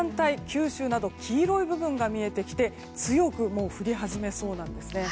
九州など黄色い部分が見えてきて強く降り始めそうなんですね。